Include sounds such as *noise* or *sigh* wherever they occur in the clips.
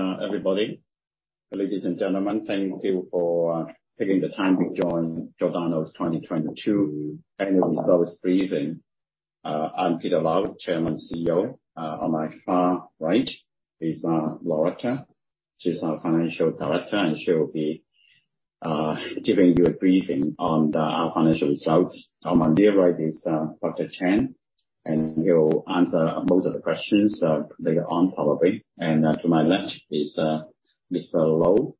Hello, everybody. Ladies and gentlemen, thank you for taking the time to join Giordano's 2022 Annual Results Briefing. I'm Peter Lau, Chairman CEO. On my far right is Loretta. She's our Financial Director, and she will be giving you a briefing on the, our financial results. On my near right is Dr. Chan, and he will answer most of the questions later on, probably. To my left is Mr. Loynd.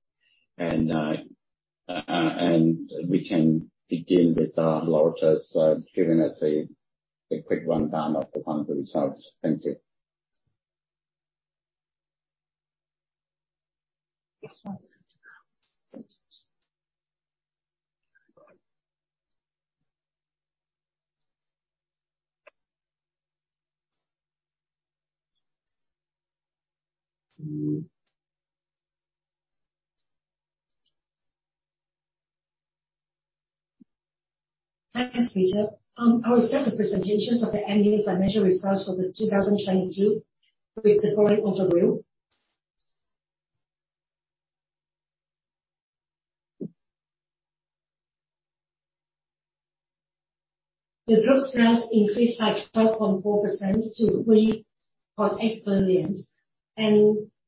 We can begin with Loretta's giving us a quick rundown of the final results. Thank you. Thanks, Peter. I will start the presentations of the annual financial results for 2022 with the following overview. The group's sales increased by 12.4% to HKD 3.8 billion.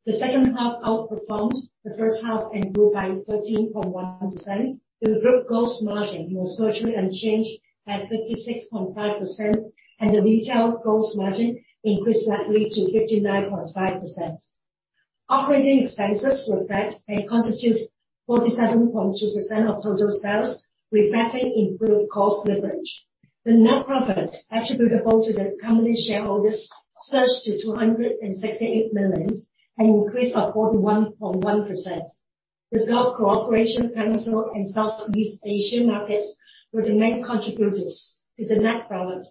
The second half outperformed the first half and grew by 13.1%. The group gross margin was virtually unchanged by 36.5%, and the retail gross margin increased slightly to 59.5%. Operating expenses were flat and constitute 47.2% of total sales, reflecting improved cost leverage. The net profit attributable to the company shareholders surged to 268 million, an increase of 41.1%. The Gulf Cooperation Council and Southeast Asian markets were the main contributors to the net profit.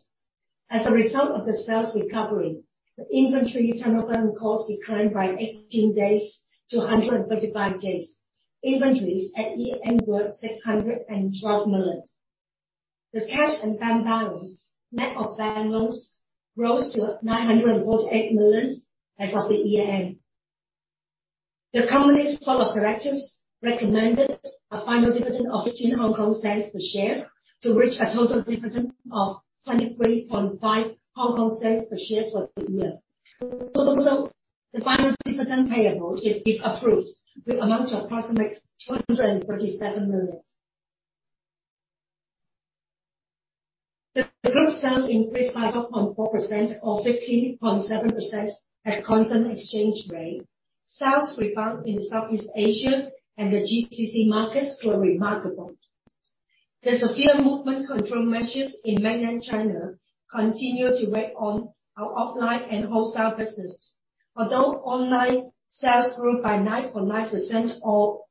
As a result of the sales recovery, the inventory turnover cost declined by 18 days to 135 days. Inventories at year-end were 612 million. The cash and bond balance, net of bond loans, rose to 948 million as of the year-end. The company's board of directors recommended a final dividend of 0.15 per share to reach a total dividend of 0.235 per share for the year. The final dividend payable, if approved, the amount of approximate HKD 237 million. The group sales increased by 12.4% or 15.7% at constant exchange rate. Sales rebound in Southeast Asia and the GCC markets were remarkable. The severe movement control measures in mainland China continued to weigh on our offline and wholesale business. Although online sales grew by 9.9% or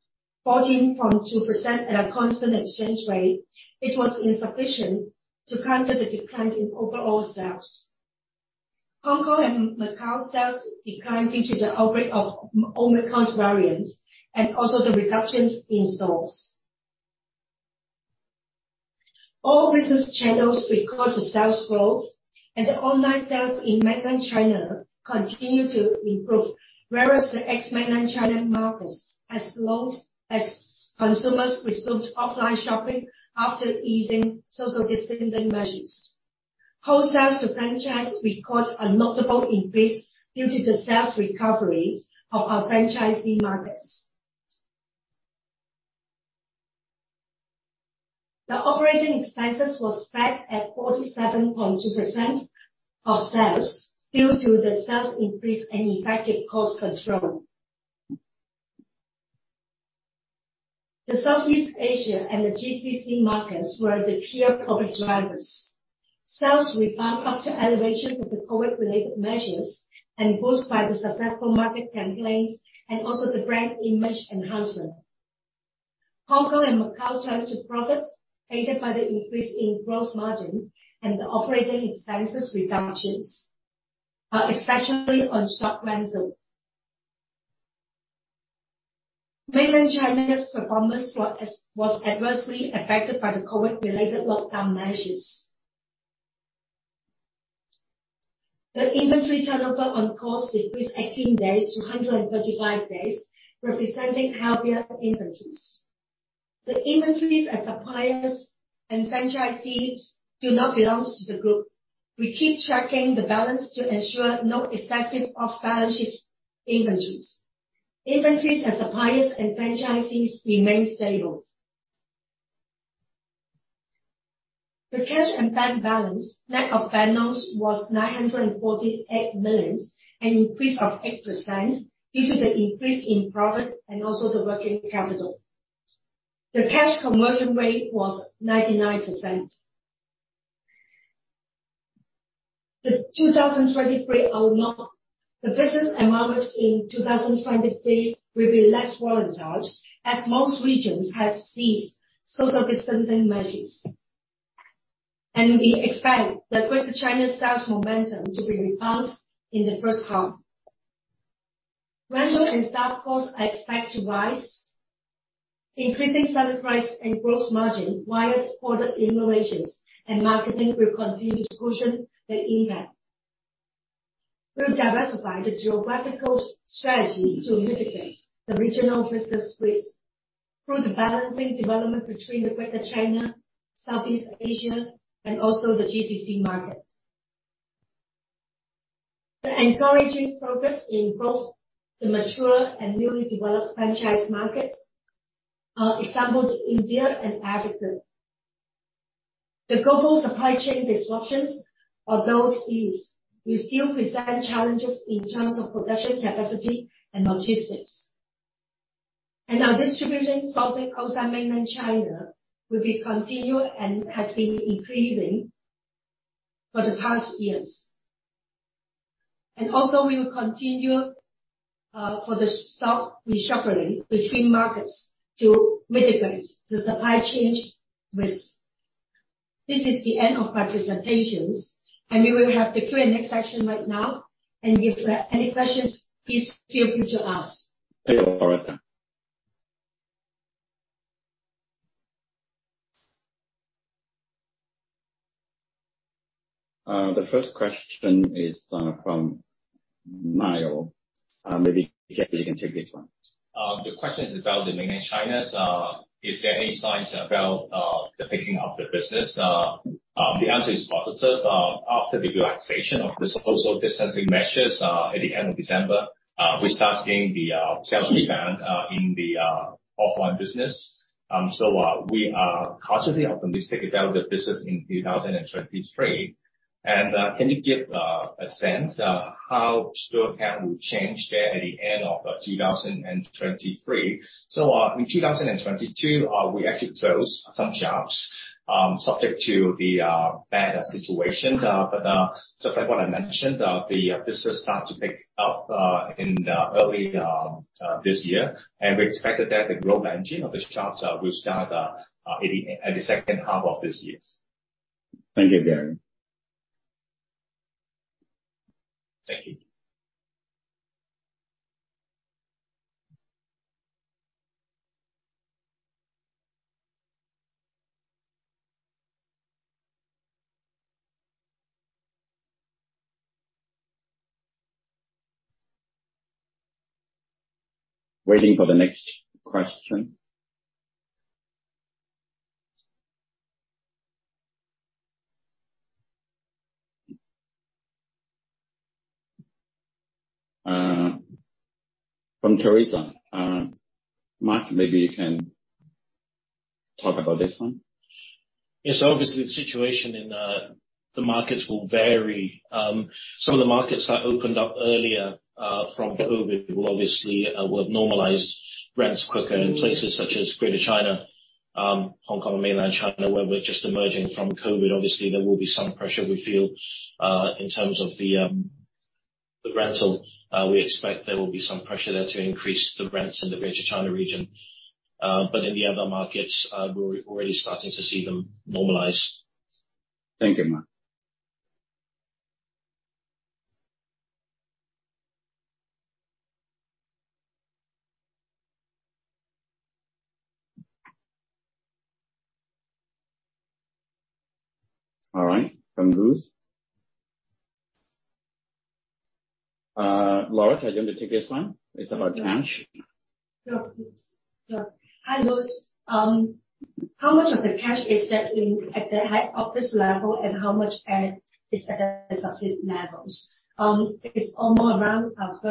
14.2% at a constant exchange rate, it was insufficient to counter the decline in overall sales. Hong Kong and Macau sales declined due to the outbreak of Omicron variant and also the reductions in stores. All business channels recorded sales growth and the online sales in mainland China continued to improve, whereas the ex-mainland China markets has longed as consumers resumed offline shopping after easing social distancing measures. Wholesale to franchise record a notable increase due to the sales recovery of our franchisee markets. The operating expenses was flat at 47.2% of sales due to the sales increase and effective cost control. The Southeast Asia and the GCC markets were the key recovery drivers. Sales rebound after elevation of the COVID-related measures and boosted by the successful market campaigns and also the brand image enhancement. Hong Kong and Macau turned to profits aided by the increase in gross margin and the operating expenses reductions, especially on shop rental. Mainland China's performance was adversely affected by the COVID-related lockdown measures. The inventory turnover on cost decreased 18 days to 135 days, representing healthier inventories. The inventories at suppliers and franchisees do not belongs to the group. We keep tracking the balance to ensure no excessive off-balance-sheet inventories. Inventories at suppliers and franchisees remain stable. The cash and bank balance, net of bank loans, was 948 million, an increase of 8% due to the increase in profit and also the working capital. The cash conversion rate was 99%. The 2023 outlook. The business environment in 2023 will be less volatile as most regions have ceased social distancing measures. We expect the Greater China sales momentum to be rebound in the first half. Rental and staff costs are expected to rise. Increasing selling price and gross margin via product innovations and marketing will continue to cushion the impact. We'll diversify the geographical strategy to mitigate the regional business risk through the balancing development between the Greater China, Southeast Asia, and also the GCC markets. The encouraging progress in both the mature and newly developed franchise markets, example, India and Africa. The global supply chain disruptions, we still present challenges in terms of production capacity and logistics. Our distribution sourcing outside mainland China will be continued and has been increasing for the past years. Also we will continue, for the stock reshuffling between markets to mitigate the supply chain risk. This is the end of my presentations, and we will have the Q&A section right now. If you have any questions, please feel free to ask. Thank you, Loretta. The first question is from Niall. Maybe Gary can take this one. The question is about the Mainland China. Is there any signs about the picking of the business? The answer is positive. After the relaxation of the supposed distancing measures, at the end of December, we start seeing the sales rebound in the offline business. We are cautiously optimistic about the business in 2023. Can you give a sense of how store count will change there at the end of 2023? In 2022, we actually closed some shops subject to the bad situation. Just like what I mentioned, the business start to pick up in the early this year. We expected that the growth engine of the shops will start at the second half of this year. Thank you, Gary. Thank you. Waiting for the next question. From Teresa. Mark, maybe you can talk about this one. Yes. Obviously, the situation in the markets will vary. Some of the markets that opened up earlier from COVID will obviously normalize rents quicker in places such as Greater China, Hong Kong and mainland China, where we're just emerging from COVID. Obviously, there will be some pressure we feel in terms of the rental. We expect there will be some pressure there to increase the rents in the Greater China region. In the other markets, we're already starting to see them normalize. Thank you, Mark. All right. From Lewis. Loretta, do you want to take this one? It's about cash. Hi, Lewis. How much of the cash is kept in at the head office level, and how much is at the subsid levels? It's all more around 30%-40%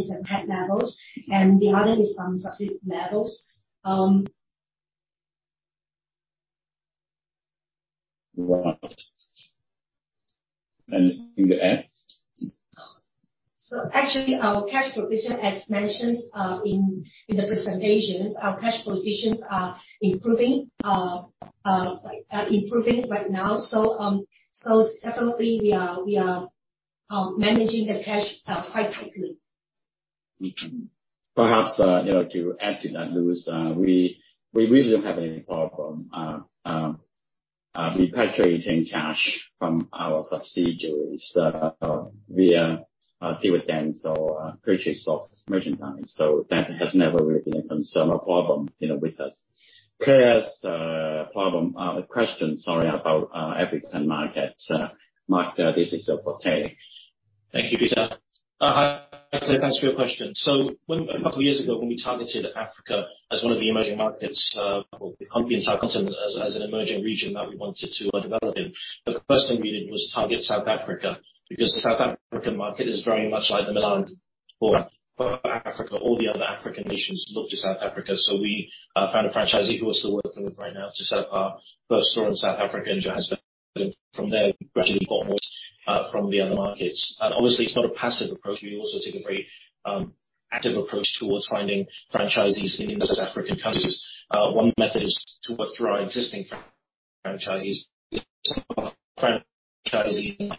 is at head levels and the other is subsid levels. Right. Anything to add? Actually, our cash position, as mentioned, in the presentations, our cash positions are improving right now. Definitely we are managing the cash quite strictly. Perhaps, you know, to add to that, Lewis, we really don't have any problem repatriating cash from our subsidiaries via dividends or purchase of merchandise. That has never really been a concern or problem, you know, with us. Claire's question, sorry, about African markets. Mark, this is for you. Thank you, Peter. To answer your question. When a couple years ago when we targeted Africa as one of the emerging markets, or the continent, subcontinent as an emerging region that we wanted to develop in, the first thing we did was target South Africa, because the South African market is very much like the Milan for Africa. All the other African nations look to South Africa. We found a franchisee who we're still working with right now to set up our first store in South Africa and just from there, we gradually got more from the other markets. Obviously it's not a passive approach. We also take a very active approach towards finding franchisees in these African countries. One method is to work through our existing franchisees. Franchising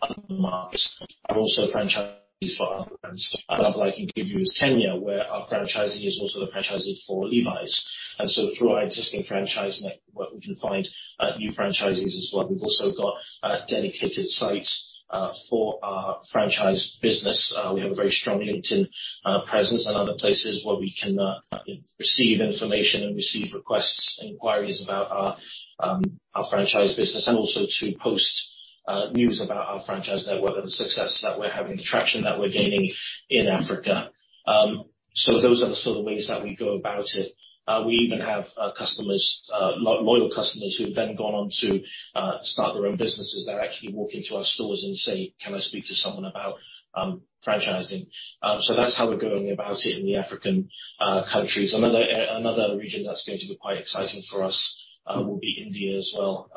are also franchisees for other brands. Another example I can give you is Kenya, where our franchisee is also a franchisee for Levi's. Through our existing franchise network, we can find new franchisees as well. We've also got dedicated sites for our franchise business. We have a very strong LinkedIn presence and other places where we can receive information and receive requests and inquiries about our franchise business and also to post news about our franchise network and the success that we're having, the traction that we're gaining in Africa. Those are the sort of ways that we go about it. We even have customers, loyal customers who've then gone on to start their own businesses that actually walk into our stores and say, "Can I speak to someone about franchising?" That's how we're going about it in the African countries. Another region that's going to be quite exciting for us will be India as well.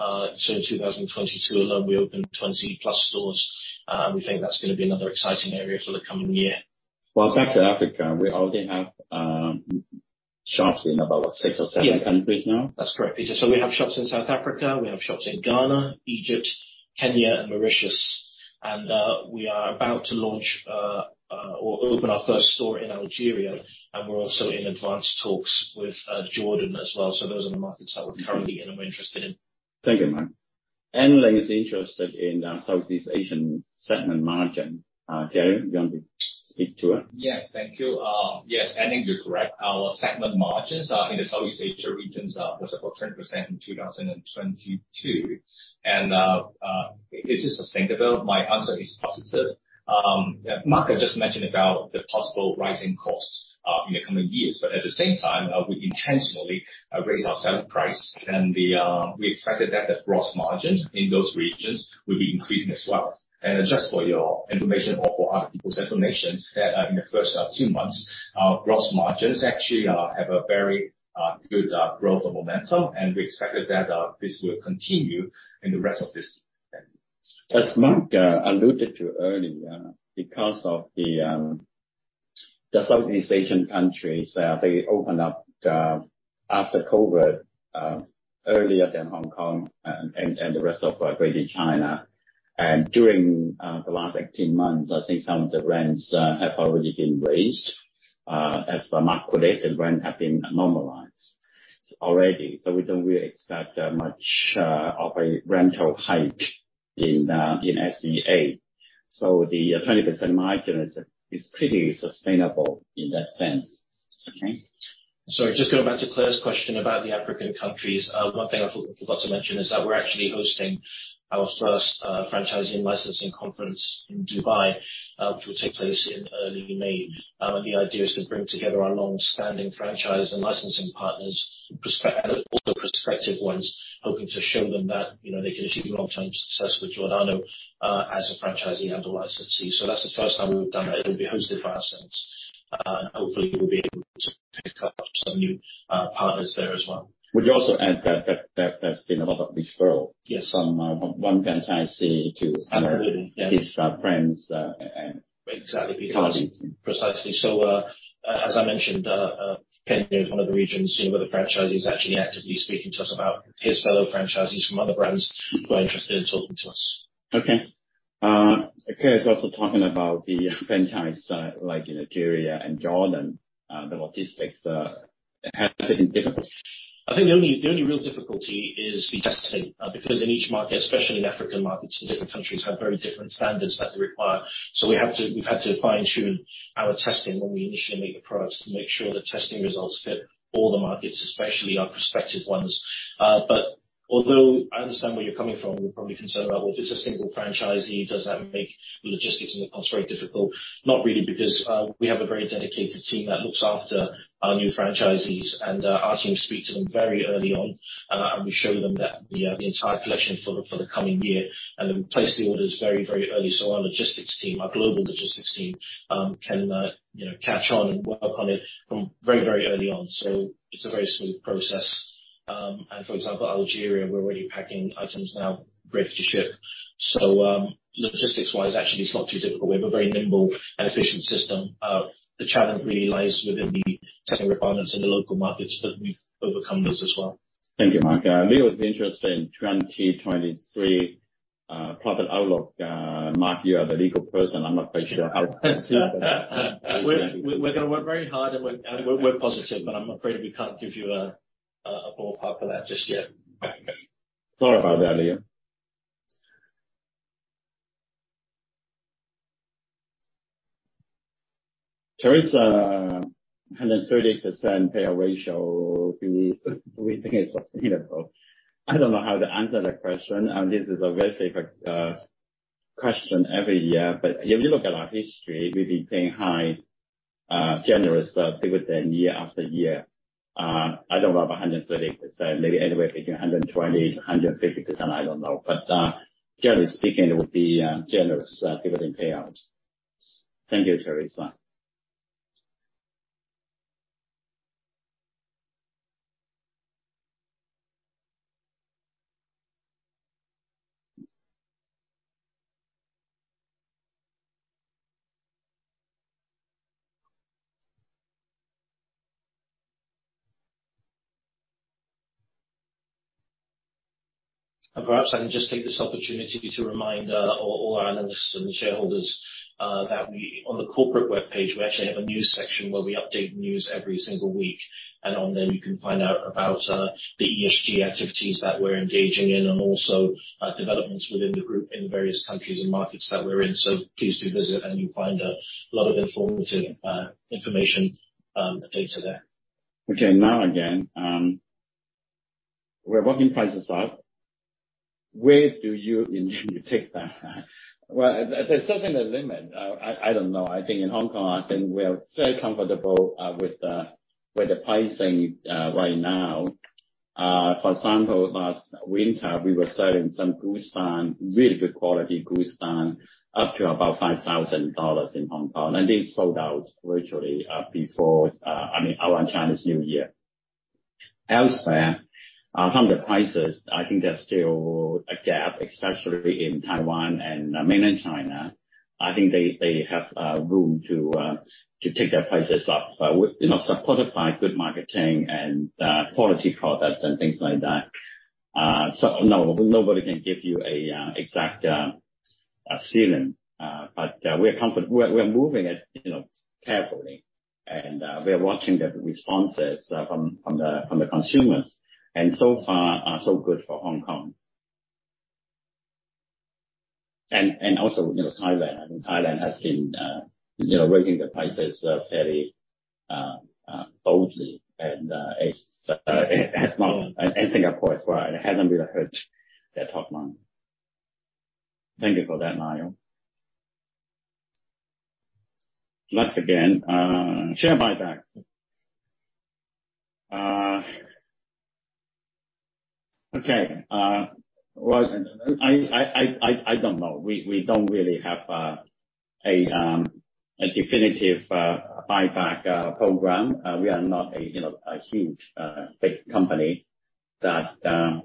In 2022 alone, we opened 20+ stores. We think that's gonna be another exciting area for the coming year. Well, back to Africa, we already have shops in about six or seven countries now. That's correct. We have shops in South Africa, we have shops in Ghana, Egypt, Kenya and Mauritius. We are about to launch or open our first store in Algeria, and we're also in advanced talks with Jordan as well. Those are the markets that we're currently in and we're interested in. Thank you, Mark. Anne Ling is interested in Southeast Asian segment margin. Gary, you want to speak to her? Yes, thank you. Yes, Anne Ling, you're correct. Our segment margins in the Southeast Asia regions was about 10% in 2022. Is this sustainable? My answer is positive. Mark just mentioned about the possible rising costs in the coming years, but at the same time, we intentionally raise our selling price and we expected that the gross margin in those regions will be increasing as well. Just for your information or for other people's informations that, in the first two months, our gross margins actually have a very good growth of momentum, and we expected that this will continue in the rest of this year. As Mark alluded to earlier, because of the Southeast Asian countries, they opened up after COVID earlier than Hong Kong and the rest of Greater China. During the last 18 months, I think some of the rents have already been raised. As Mark related, rent have been normalized already. We don't really expect much of a rental hike in SEA. The 20% margin is pretty sustainable in that sense. Okay. Sorry, just going back to Claire's question about the African countries. One thing I forgot to mention is that we're actually hosting our first franchising licensing conference in Dubai, which will take place in early May. The idea is to bring together our long-standing franchise and licensing partners, also prospective ones, hoping to show them that, you know, they can achieve long-term success with Giordano as a franchisee and a licensee. That's the first time we've done that. It'll be hosted by ourselves. Hopefully, we'll be able to pick up some new partners there as well. Would you also add that's been a lot of referral- Yes. from one franchisee to- Absolutely. his, friends, and colleagues. Exactly. Precisely. As I mentioned, Kenya is one of the regions, you know, where the franchisee is actually actively speaking to us about his fellow franchisees from other brands who are interested in talking to us. Okay. Claire is also talking about the franchise, like in Nigeria and Jordan, the logistics have been difficult. I think the only, the only real difficulty is the testing, because in each market, especially in African markets and different countries, have very different standards that they require. We've had to fine-tune our testing when we initially make the products to make sure the testing results fit all the markets, especially our prospective ones. Although I understand where you're coming from, you're probably concerned about, well, if it's a single franchisee, does that make the logistics and the costs very difficult? Not really, because we have a very dedicated team that looks after our new franchisees and our team speak to them very early on, and we show them that the entire collection for the coming year, and then we place the orders very, very early. Our logistics team, our global logistics team, can, you know, catch on and work on it from very, very early on. It's a very smooth process. For example, Algeria, we're already packing items now ready to ship. Logistics-wise, actually, it's not too difficult. We have a very nimble and efficient system. The challenge really lies within the testing requirements in the local markets, but we've overcome this as well. Thank you, Mark. Leo is interested in 2023 profit outlook. Mark, you are the legal person. I'm not quite sure how. We're gonna work very hard and we're positive, but I'm afraid we can't give you a ballpark for that just yet. Sorry about that, Leo. Theresa, 130% payout ratio, do we think it's sustainable? I don't know how to answer that question. This is a very favorite question every year. If you look at our history, we've been paying high, generous dividend year after year. I don't know about 130%, maybe anywhere between 120%-150%, I don't know. Generally speaking, it would be generous dividend payouts. Thank you, Theresa. Perhaps I can just take this opportunity to remind all our analysts and shareholders that on the corporate webpage, we actually have a news section where we update news every single week. On there you can find out about the ESG activities that we're engaging in and also developments within the group in various countries and markets that we're in. Please do visit and you'll find a lot of informative information, data there. Okay. Now again, we're working prices up. Where do you envision you take that? Well, there's certainly a limit. I don't know. I think in Hong Kong, I think we're very comfortable with the pricing right now. For example, last winter we were selling some goose down, really good quality goose down, up to about 5,000 dollars in Hong Kong. They sold out virtually before, I mean around China's New Year. Elsewhere, some of the prices, I think there's still a gap, especially in Taiwan and Mainland China. I think they have room to take their prices up by you know, supported by good marketing and quality products and things like that. No, nobody can give you a exact ceiling. We're moving it, you know, carefully. We're watching the responses from the consumers. So far, so good for Hong Kong. Also, you know, Thailand. I think Thailand has been, you know, raising the prices, fairly, boldly. It's and Singapore as well. It hasn't really hurt their top line. Thank you for that, Niall. Once again, share buyback. Okay. Well, I don't know. We don't really have a definitive buyback program. We are not a huge company that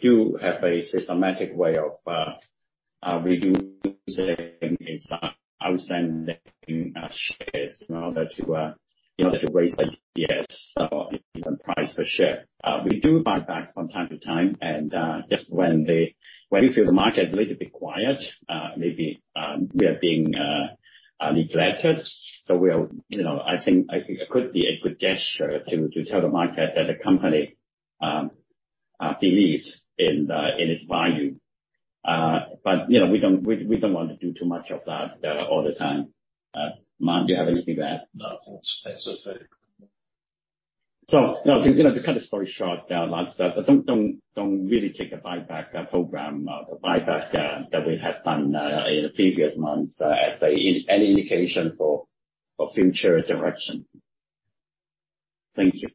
few a systematic way. *inaudible* We do buybacks from time to time. *inaudible* It could be a good gesture to tell a market that a company believes in its value. We don't want to do too much of that all the time. Mark, do you have anything to add? No, I think that's it. You know, to cut the story short, like I said, don't really take a buyback program or the buyback that we have done in the previous months as any indication for future direction. Thank you.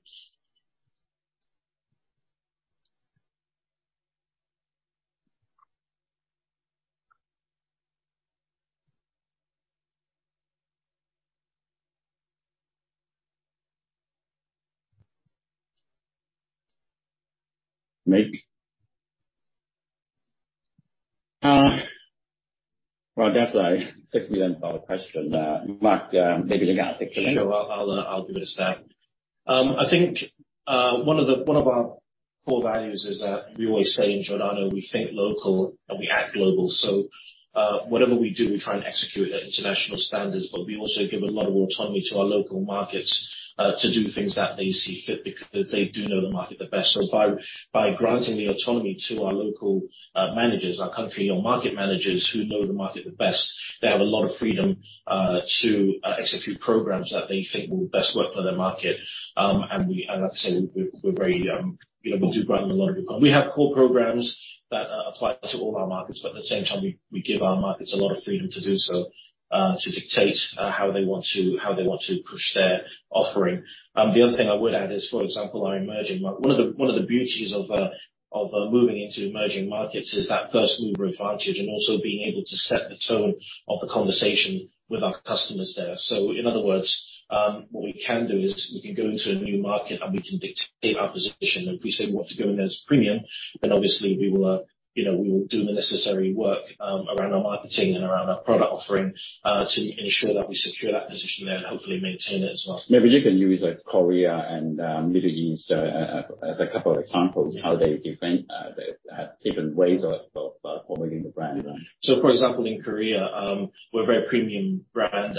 Nick? Well, that's a $6 million question. Mark, maybe you can take a shot. Sure. I'll give it a stab. I think one of our core values is that we always say in Giordano, we think local and we act global. Whatever we do, we try and execute at international standards, but we also give a lot of autonomy to our local markets to do things that they see fit because they do know the market the best. By granting the autonomy to our local managers, our country or market managers who know the market the best, they have a lot of freedom to execute programs that they think will best work for their market. Like I said, we're very, you know, we do grant a lot of autonomy. We have core programs that apply to all our markets, but at the same time, we give our markets a lot of freedom to do so, to dictate how they want to push their offering. The other thing I would add is, for example, our emerging market. One of the beauties of moving into emerging markets is that first mover advantage and also being able to set the tone of the conversation with our customers there. In other words, what we can do is we can go into a new market and we can dictate our position. If we say we want to go in as premium, then obviously we will, you know, we will do the necessary work, around our marketing and around our product offering, to ensure that we secure that position there and hopefully maintain it as well. Maybe you can use, like, Korea and Middle East as a couple of examples how they defend the different ways of promoting the brand. For example, in Korea, we're a very premium brand.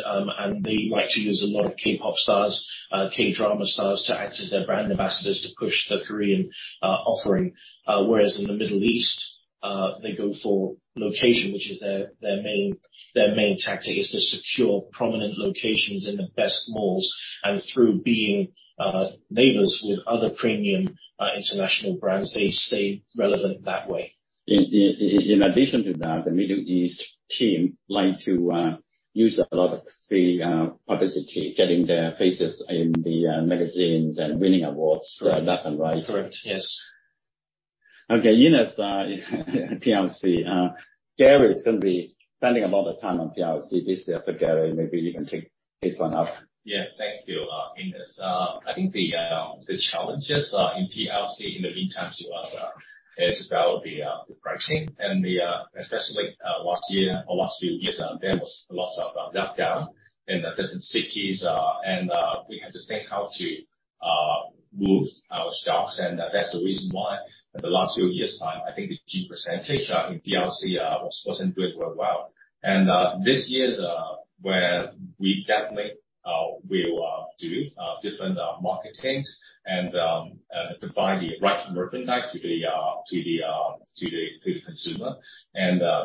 They like to use a lot of K-pop stars, K-drama stars to act as their brand ambassadors to push the Korean offering. Whereas in the Middle East, they go for location, which is their main, their main tactic is to secure prominent locations in the best malls. Through being neighbors with other premium international brands, they stay relevant that way. In addition to that, the Middle East team like to use a lot of free publicity, getting their faces in the magazines and winning awards left and right. Correct. Yes. Eunice, PLC. Gary is gonna be spending a lot of time on PLC this year. Gary, maybe you can take this one up. Yeah. Thank you, Eunice. I think the challenges in PLC in the meantime to us is about the pricing. Especially last year or last few years, there was lots of lockdown in the different cities. We had to think how to move our stocks, and that's the reason why for the last few years time, I think the key percentage, I think PLC, wasn't doing very well. This year's where we definitely will do different marketings and provide the right merchandise to the consumer.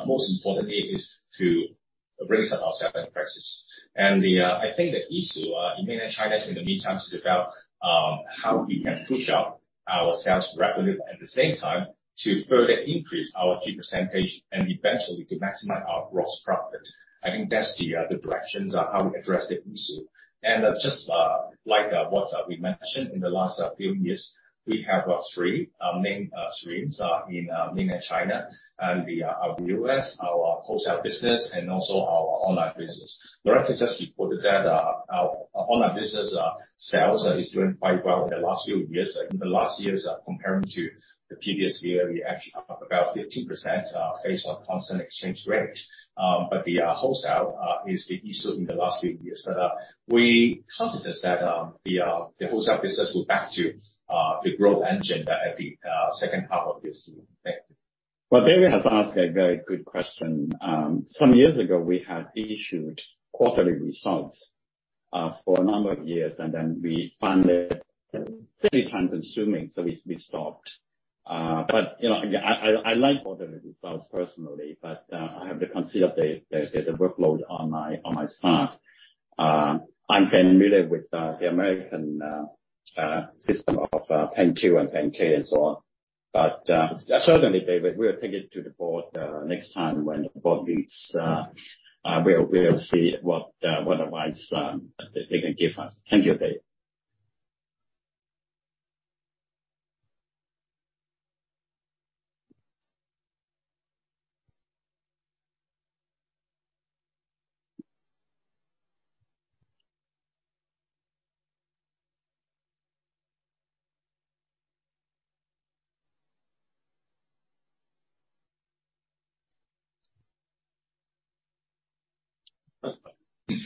Most importantly is to raise up our selling prices. I think the issue in Mainland China in the meantime is about how we can push up our sales revenue, at the same time to further increase our key percentage and eventually to maximize our gross profit. I think that's the directions on how we address the issue. Just like what we mentioned in the last few years, we have three main streams in Mainland China and the U.S., our wholesale business and also our online business. Loretta just reported that our online business sales is doing quite well in the last few years. In the last years, comparing to the previous year, we're actually up about 15% based on constant exchange rate. The wholesale is the issue in the last few years. We confident that the wholesale business will be back to the growth engine at the second half of this year. Thank you. Well, David has asked a very good question. Some years ago, we had issued quarterly results, for a number of years, and then we found it very time-consuming, so we stopped. You know, I like quarterly results personally, but I have to consider the workload on my staff. I'm familiar with the American system of 10-Qand 10-K and so on. Certainly, David, we'll take it to the board next time when the board meets. We'll see what advice they can give us. Thank you, David.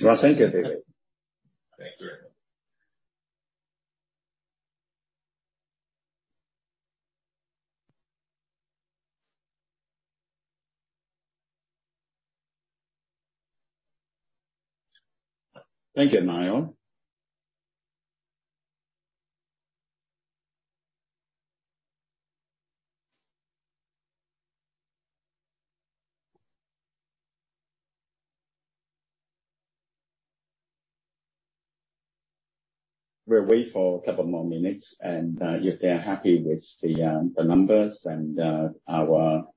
Well, thank you, David. Thank you. Thank you, Niall. We'll wait for a couple more minutes and if they are happy with the numbers and our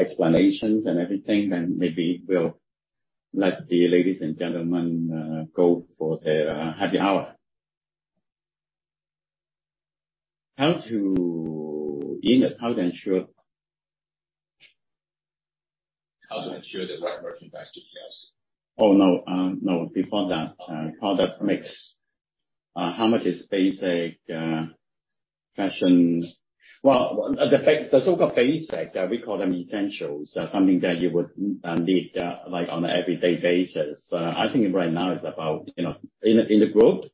explanations and everything, then maybe we'll let the ladies and gentlemen go for the happy hour. Enoch, how to ensure. How to ensure the right merchandise to PLC? Oh, no. No, before that. Oh, okay. How that makes... How much is basic fashion? Well, the so-called basic, we call them essentials. Something that you would need, like, on an everyday basis. I think right now it's about, you know, in the group,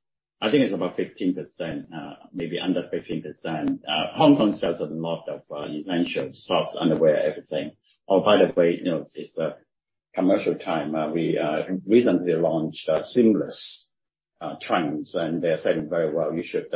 I think it's about 15%, maybe under 15%. Hong Kong sells a lot of essentials, socks, underwear, everything. Oh, by the way, you know, it's commercial time. We recently launched seamless trends, and they're selling very well. You should,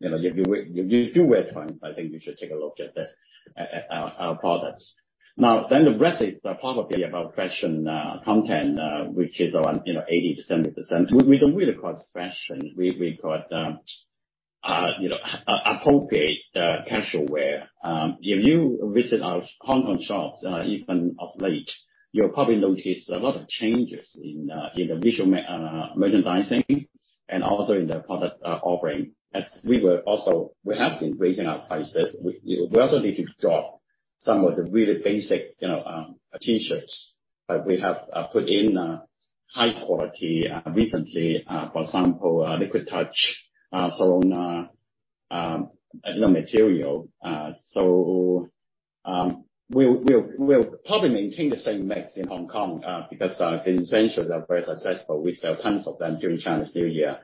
you know, if you do wear trends, I think you should take a look at our products. The rest is probably about fashion content, which is around, you know, 80%-70%. We don't really call it fashion. We call it, you know, appropriate casual wear. If you visit our Hong Kong shops, even of late, you'll probably notice a lot of changes in the visual merchandising and also in the product offering. We have been raising our prices. We also need to drop some of the really basic, you know, T-shirts. We have put in high-quality recently, for example, Liquid Touch, Solana, you know, material. We'll probably maintain the same mix in Hong Kong, because the essentials are very successful. We sell tons of them during Chinese New Year.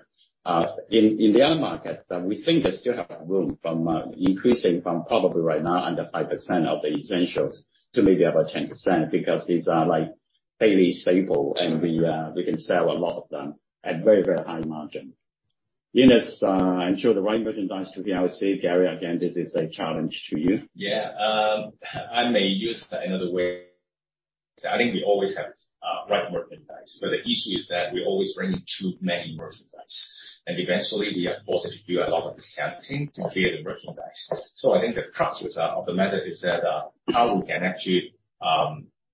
In the other markets, we think they still have room from increasing from probably right now under 5% of the essentials to maybe about 10% because these are, like, fairly stable and we can sell a lot of them at very, very high margins. Eunice, ensure the right merchandise to PLC. Gary, again, this is a challenge to you. Yeah. I may use another way. I think we always have right merchandise, but the issue is that we always bring in too many merchandise. Eventually we have also to do a lot of discounting to clear the merchandise. I think the crux of the matter is that how we can actually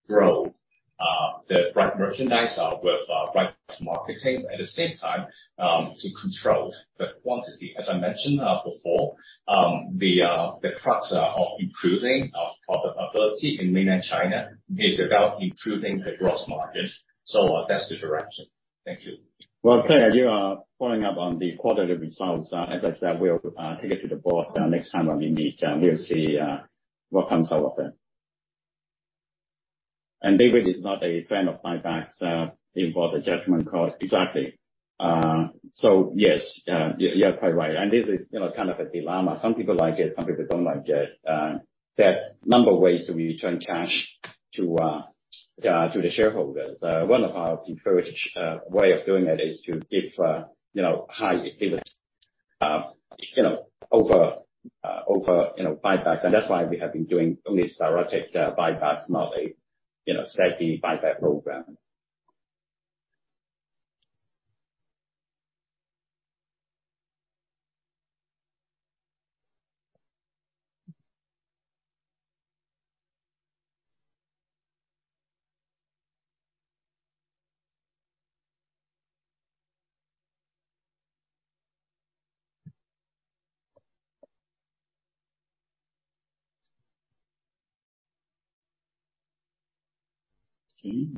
grow the right merchandise with right marketing at the same time to control the quantity. As I mentioned before, the crux of improving our profitability in Mainland China is about improving the gross margin. That's the direction. Thank you. Well, Claire, you are following up on the quarterly results. as I said, we'll take it to the board next time when we meet. we'll see what comes out of it. David is not a fan of buybacks. it was a judgment call. Exactly. yes, you're quite right. this is, you know, kind of a dilemma. Some people like it, some people don't like it. there are a number of ways that we return cash to the shareholders. one of our preferred way of doing it is to give you know, high dividends you know, over over you know, buybacks. that's why we have been doing only sporadic buybacks, not a steady buyback program. Okay.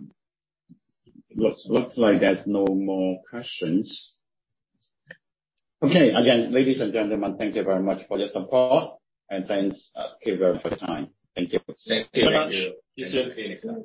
Looks like there's no more questions. Okay. Ladies and gentlemen, thank you very much for your support, and thanks, everyone for your time. Thank you. Thank you. Thank you. See you soon.